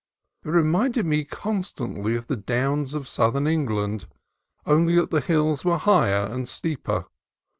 It reminded me con stantly of the downs of southern England, only that the hills were higher and steeper.